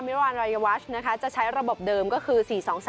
มิรวารรายวาชจะใช้ระบบเดิมก็คือ๔๒๓๑